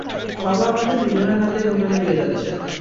বাবা আমাদের দুইজনের হাতেই হোটেল দিয়ে যাচ্ছে।